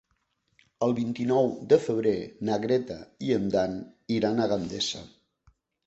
El vint-i-nou de febrer na Greta i en Dan iran a Gandesa.